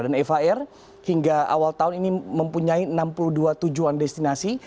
dan eva air hingga awal tahun ini mempunyai enam puluh dua tujuan destinasi